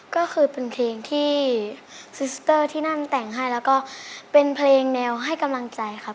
ก็คือเป็นเพลงที่ซิสเตอร์ที่นั่นแต่งให้แล้วก็เป็นเพลงแนวให้กำลังใจครับ